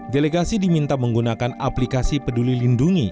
delegasi diminta menggunakan aplikasi peduli lindungi